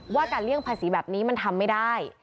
ว่าการเลี่ยงภาษีแบบนี้มันทำไม่ได้